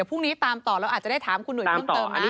พรุ่งนี้ตามต่อแล้วอาจจะได้ถามคุณหนุ่ยเพิ่มเติมนะ